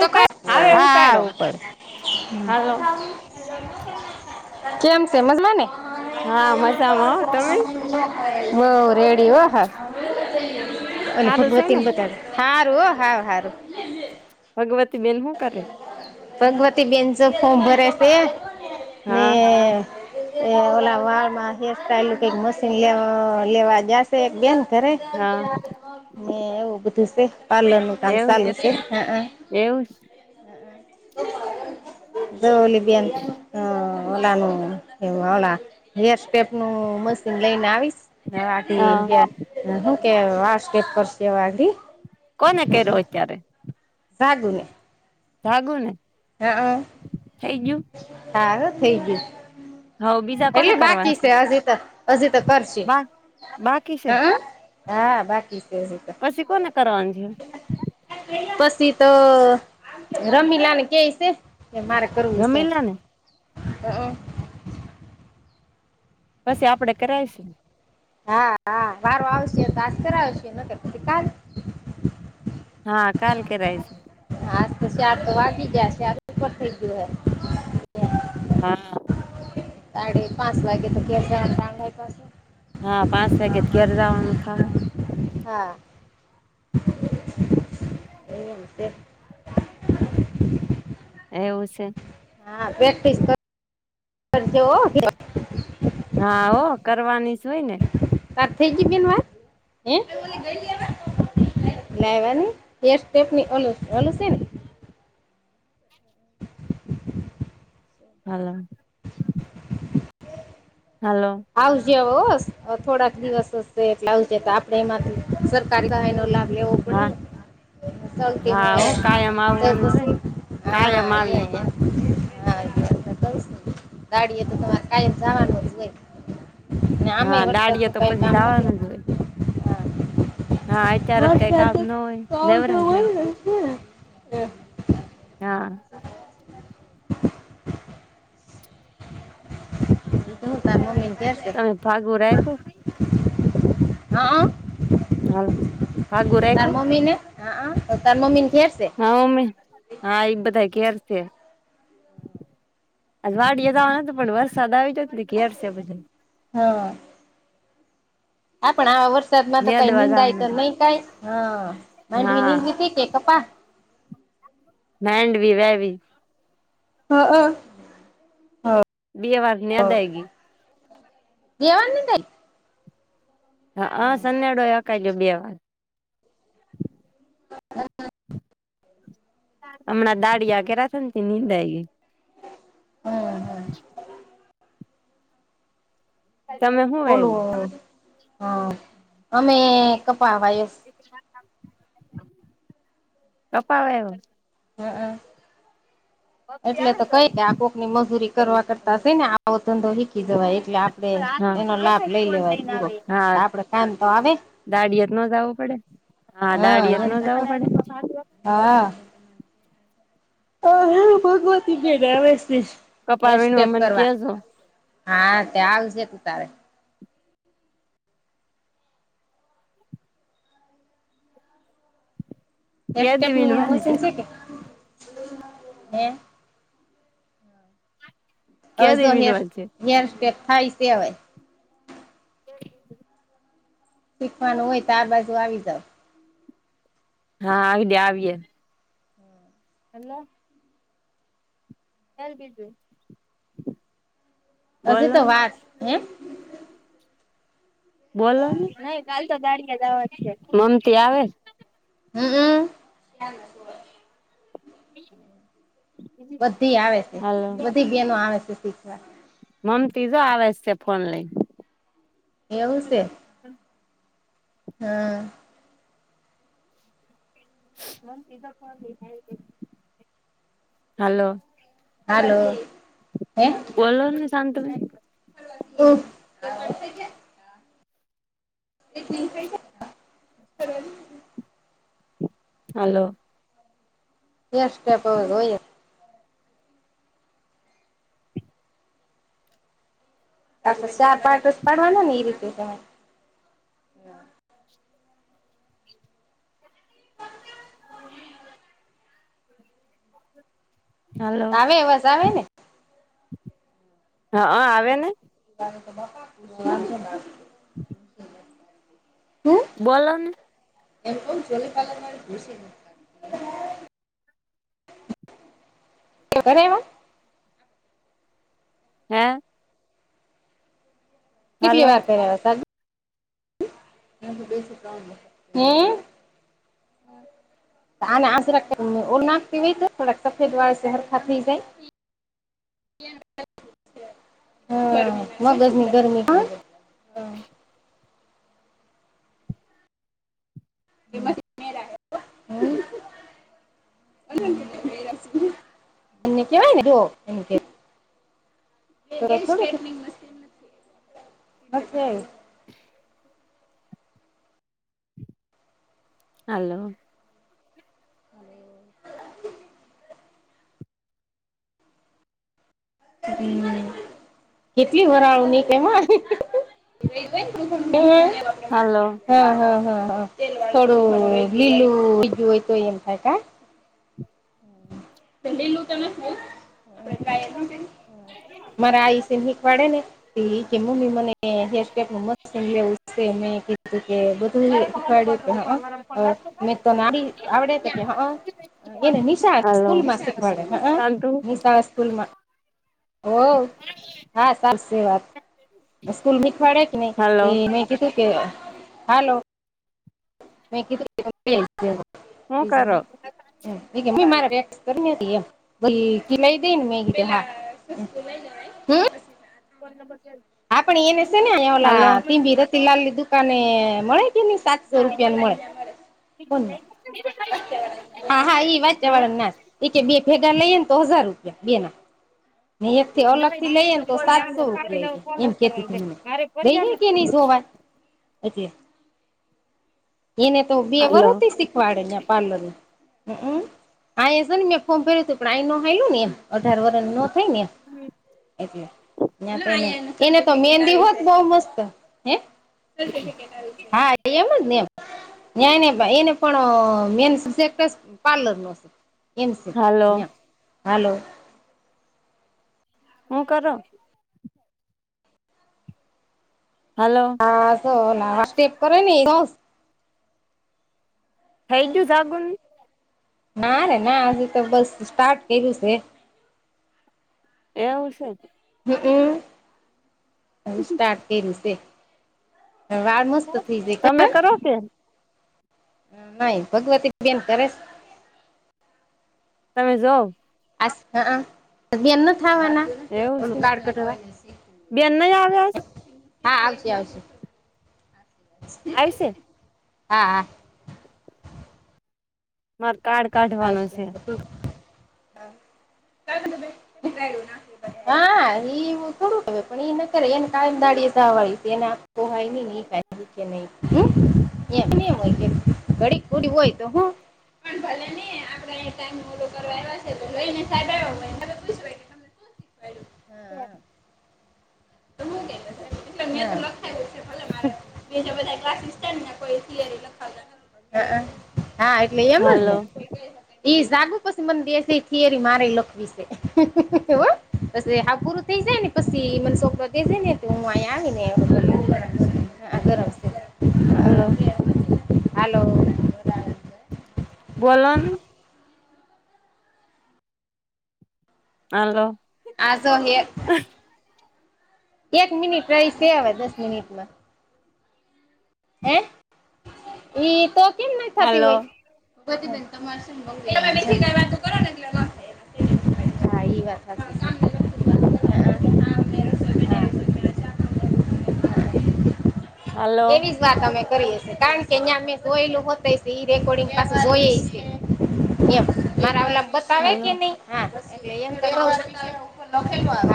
તો ખ હા હા ઉપાડો ઉપર, હાલો કેમ છે મજમાંની હા મજામાં હો તમે બ રેડી વાહા અને સારું છે ભગવતીને ને બધા હારું હા હારું ભગવતી બેન હું કરે? ભગવતી બેેન તો ફોમ ભરે છે ને હા એ ઓલા વાળમાં હેર સ્ટાઈલ કઈક મશીન લે લેવા જશે એક બેન ઘરે હા ને એવું બધું છે પાર્લર નું કામ એવું છે એવું છે. જોલીબન હમ ઓલા ન ઓેપ નું મશીન લઈને હા આવીશી શું કે વા સ્ટેપ કરશેવધી કોન એકે રો એચ્યારે ભાગુંને ભાગું ને. હે હ થઈજું? હા થઈ ગયું. હવે બીજા કોને એટલે કરવાનું બાકી છે હજી તો હજી તો કરશે બા બાકી છે હઅ હા બાકી છે હું તા. પછી કોને કરવાનું છે. પછી તો રમીલા ને કેય છે કે મારે કરું રમીલા ને. હ અ. પછી આપડે કરાયશું. હા હા વારો આવશે તાર કરાવશે નકર પછી કાલ હા કાલ કરાયશું. હા તો ચ્યાર તો વાગી ગયા ચાર ઉપર થઇ ગયું હે. હા. હે સાડે પાંચ વાગે તો ઘેર જવાનો [unintelligible] હા પાંચ વાગે ઘેર જવાનું થા [inaudible] હા. એવું સે. [inaudible] એવું સે. હા પ્રેક્ટિસ કર કરજે હો. હા ઓ કરવાનીસ હોય ને. તાર થઈ જી બેન વાત હે [unintelligible] લાઇવા નહી એર સેપની ઓલું ઓલું સે ને. હલો. હલો. આવજે હોસ થોડાક દિવસ હશે એટલે આવજ તો આપડે એમાં સરકારી સહાય નો લાભ લેવો પડે હા ને. સલટી હા મળે હો કાયમ હા આવવાનું અહિયા જ હોય ને હે [inaudible] કાયમ આવી હા કઉશ ગાડીએ તો તમારે કાયમ જવાનું જ હોય અને આમેય હા દાડિયા વરસાદનું તો કઈ પછી કામ જવાનું જ હોય. હા અત્યારે હા જ કઈ સા કામ તો ન હોય સોઠ નવરા જ હોય ને હે [inaudible] હા. શું તમો મિજયા છે. ફાગું રાઈખુ. હા હા. તાર મમ્મી ને હ અ તો તાર મમ્મી ન ઘેર સે. હા હું મમ્મી હા ઈ બધા ઘેર છે. આજ વાડીયે જવાનું તું પણ વરસાદ આવી ગ્યો એટલે ઘેરસે બધા. હા. આ પણ આવા વરસાદ માં તો કઈ નેદવા નિંદાય જવાના તો હતા નહી કાઈ માંડવી હા નીંદી તી કે કપા. માંડવી વાઇવી. હ અ હ. બે વાર ની અદાયગી. દેવાની થાય. હ અ સન્યાડો અકાજો બે વાર. [inaudible] હમણાં દાડિયા કર્યા છે ને તો નિદાય ગઈ. બરાબર આ તમે હું વાયવું ઓલું હા અમે કપા વાયા છે કપા વાયવા. હ અ. એટલે તો કઈ કે આ કોક ની મજૂરી કરવા કરતા છે ને આવો ધંધો વીખી જવાય. એટલે આપડે એનો લાભ લઈ લેવાય પૂરો આપડે કામ તો આવે. દાડિયે તો નો જાઉં પડે હા દાડિયત એમ નો તો તો જાઉં પડે. હા. [unintelligible] હા ભગવતી બેન આવે છે કપા એક વીણવા સ્ટેપ મને કરવા કેજો હા ત્યા આવશે તું તારે નેક કેદી સ્ટેપનુ વીણવાનું [inaudible] છે શું થયું [inaudible] હે હવે જો કેદી હે વીણવાનું છે. હેર સ્ટેક થાય સે હવે. શીખવાનું હોય તો આ બાજુ આવી જાવ. હા આવીનેે આવીે એ. હેલો! એલ બીજ હજી તો વાર હે બોલો ની? નઈ કાલ તો દાડિયા જવા છે. મમતી આવે? હમ હમ હ બધી આવે છે. બધી બનો આવે છે શીખવા. મમ તીજો આવે છે ફોન લઈને. એવું છે? હમ હલો! હાલો, હે બોલોવ ને સાંતુબે ન? હમ એટ છે [inaudible] હાલો, એક સ્ટેપ હોય. ચાર પાઠ પાડવાના ને એ રીતે તમે? હાલો આવે અવાજ આવે ને હા આવે ને. ત જો છો ના હ હમ બોલને એમકમ ચલી પાલે મરે ગુસી ગ કરાવ્યું? હે? કેટલી હાલો વાત કરાવ્યાં હમ આજરા ઓ નાખ હોય થોડાક સફેદ વાળ હરખા થઈ જાય. હા મગજ ગરમી હ [inaudible] એને કેવાય ને તો જો મ [inaudible] હાલો અને [inaudible] ત [inaudible] કેટલી વરાળું નીકળે કેમાં? હાલો હા હા હા હા થોડું લીલું બીજું હોય તો એમ થાય કા? લી લુ તો નાથી. મારા આઈ સહિક વાડે ને, જે મમ્મી મને કે ફેસપેક નુ મસ્ત એવું કે [inaudible] ઘર ની એડી હા અહ અને તમારી આવડે કે એ કહે આહા અહ એને નિ આ હાલો. સ્કૂલ માં શીખવાડે હ અહ શાંતુ મીન્સ આ સ્કૂલ માં ઓ હા સા સે વાત સ્કૂલ નિખવાડે કે હાલો નહી મે કીધું કે હાલો [inaudible] હું બીજાને કરો [inaudible] બોલી કે લઈ ગઈ ને મેં કીધું હા. હમ્મ. ફોન નંબર કી આઈ. હા પણ એનેશે ને ઓલા ત ભીરતી લાલ લીધું કાને મળે કે નહી સાતસો રૂપિયાને મળે કોન ને. હા હા એઈ વાત્યા વાળ ના. એ બે ભેગા લઈએ ને તો હજાર રૂપિયા બે ના. ને એક થી અલગ થી લઈએ ને તો સાતસો રૂપિયા એ કે. એમ કેતીને ગઈને કે નહી સો વાત એતે. એને તો બે હાલો વરોથી શીખવાડેનેં પાર્લર ને. હમ્મ અમ્મ આ એસ ને મેં ફોન કર્યું થું પ્રણી નો હયલું ને એ અઢાર વર્ષ નો થઈ ને એટલે [unintelligible] એને તો મહેંદી હોત બહ મસ્ત હ હા એમ જ ને એમ. ન્યા એને એને પણ અહ મેન સબ્જેક્ટ પાર્લર નો છે. એમ સે હાલો ન્યા હાલો. હું કરા? હલો. હા સો ના સ્ટેપ કરે ને એ સોસ. થે ગયું સાગુન. ના રે ના હજી તો બસ સ્ટાર્ટ કર્યું છે. એવું છે. હમ્મ અમ્મ અભી સ્ટાર્ટ કર્યું છે. વા તમે કરો કે? નાહી ભગવતી બેન કરે છે. તમે જઓ? આસ હ હ એમ નથ આવાના. એવું છે ઓનું કાર્ડ કઢવા. બેન નહી આવ્યા હા, આવશે આવશે. આવી સે? હા, હા. મારે કાર્ડ કાઢવાનું છે. તું હા. હા, એવું થોડું હ પણ એ ન કરે એને કાયમ દાળ વાળી એને કાંઈ હોઈ નહીં ઈ કાઈ. કે નમ હોય કે અડીક ઘડી હોય તો હું પણ ભલે નઈ આપડે અ ટાઈમ મોટો કરવા આવ છે તો લઈ ને સાડા આવ મહિને. કેયા. તો હું કે મેં લખાવ છે ભલે મારે બધા કક્લાસિસ સે ને કોઈ હા આ હા એટલે એમજ હાલો ને? એ જાગું પછી મને બેસે થિયરી મારે લખવી છે. હવ. પછી હા પૂરું થઈ જાય ને પછી મને છોકરા થઈ જાય ને હું અહીં આવી ને ઓલું હલો. છે હાલો. બોલો ને. હાલો. આજો હેય. અઠ [unintelligible] એક મિનિટ રહીશ અવે દસ મિનિટમાં હે એ તો કેમ ના ખતી હાલો હોય બધી બને તમાર શું [inaudible] તમે વાતો કરો નેટ [unintelligible] હા ઈ વાત છે. હા. હાલો એવી જ વાત અમે કરીએ કારણ કે ત્યાં મેં જોયેલું હો રેકોર્ડિંગ પાસે જોય છે એ મારા ઓલા બતાવે હાલો કે નહી હા એમ [inaudible] લખેલું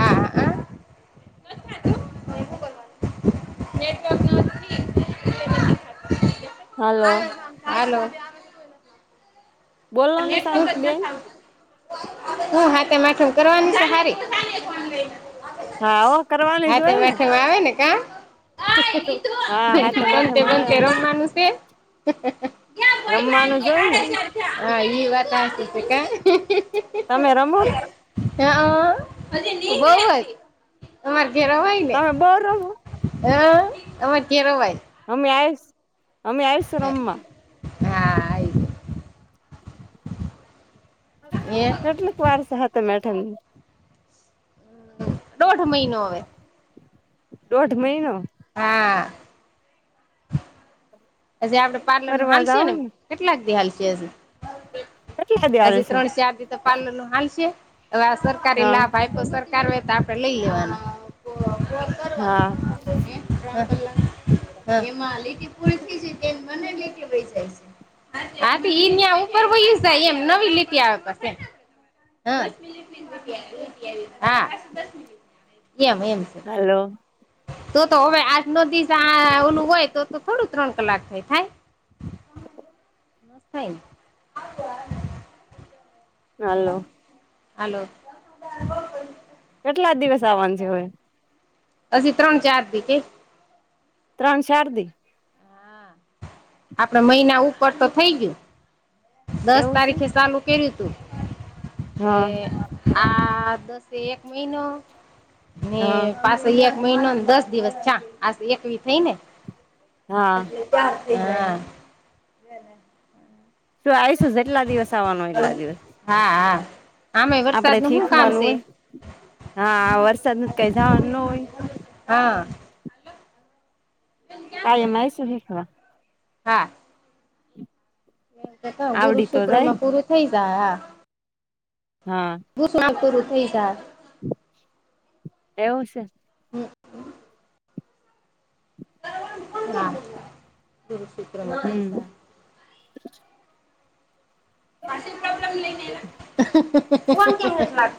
આવે છે શું કરવું [unintelligible] નેટવર્ક ન હાલો હલો બોલો પણ ને નેટવર્ક શાંતુ જ નથી બેન આવતું હું સાતમ આઠમ કરવાની છે સારી હા હો કરવાની જ હોય સાતમ ને આઠમ આવે ને કા હા હા તો પંતે માથામાં આવે બનતે હમણાં રમવાનું સે હ હ હ રમવાનું જ હોય ને હા ઈ વાત હાચી છે કા તમે રમો હ અ બોવજ અમારે ઘેર અવય ને [unintelligible] તમે [unintelligible] [inaudible] અમાં કેરો ભાઈ [unintelligible] અમે આવીશ અમે આવીશ રમવા હા આ એ [unintelligible] કેટલીક વાર સે સાતમ આઠમ ને [unintelligible] દોઢ મહિનો હવે દોઢ મહિનો હા હજ આપડે પાર્લરનું ફરવા હાલ છે જાવ ને કેટલાક દી હાલ છે હજી કેટલા દી હછ હાલશે ત્રણ ચાર દી તો પાર્લર નું હાલશે હવે આ સરકારી હા લાભ [inaudible] સરકાર હોય તો આપડે લઈ લેવાનું હા એમાં લીટી પૂરી થઈ જ [unintelligible] હા તો ઈ્યા ઉપરય જાય એમ નવી લેતી આવે કશે હા હા એમ એમ છે હલો તો તો હવે આજ ન દિવસ આ ઓલું હોય તો તો થોડું ત્રણ કલાક થાય થાય થાય ને હાલો હલો કેટલા દિવસ આવવાનું છે હવે હજી ત્રણ ચાર દીકે ત્રણ ચાર દી આપડે મહિના ઉપર તો થઈ ગયું દસ એવું છે તારીખે ચાલુ કર્યું તું એ હા આ દસે એક મહિનો ને હા પાસે એક મહિનો દસ દિવસ થયા આજે એકવી થઈ ને હા હા શું આવીશુ જેટલા દિવસ આવવાનૂ એટલા દિવસ હા હા આમે વરસાદ આપડે નું શું કામ શીખવાનું છે. હોય હા વરસાદનુ જ કાઈ જવાનું ન હોય. હા [inaudible] કાયમ આરતી નિકળો હા [inaudible] એતા ગુરુ આવડી તો શુક્ર જાય માં પૂરું થઇ જાય હા હા બું શું કરું થઈ એવું છે. હા ગુરુ શુક્રમાં હમ [inaudible]